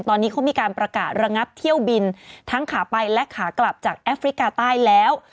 ตอนนี้เขามีการประกาศระงับเที่ยวบินทั้งขาไปและขากลับจากแอฟริกาใต้แล้ว